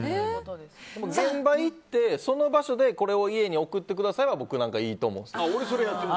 現場行って、その場所でこれを家に送ってくださいは僕なんかいいと思うんです。